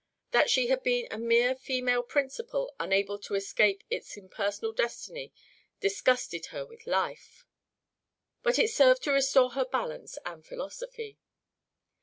That she had been a mere female principle unable to escape its impersonal destiny disgusted her with life, but it served to restore her balance and philosophy.